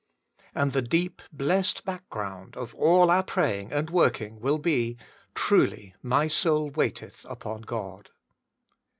And the deep blessed back ground of all our praying and working will be :* Truly my soul waiteth upon God.'